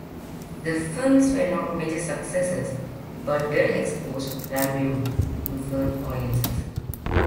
The films were not major successes but did expose Rambeau to film audiences.